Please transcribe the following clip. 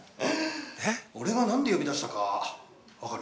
俺が何で呼び出したか分かる？